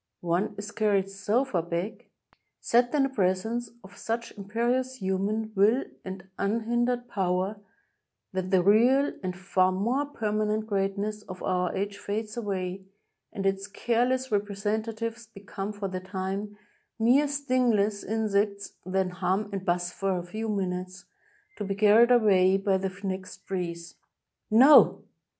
One is carried so far back — set in the pres ence of such imperious human will and unhindered power — that the real and far more permanent greatness of our age fades away, and its careless representatives become, for the time, mere stingless insects, that hum and buzz for a few minutes, to be carried away by the next breeze. No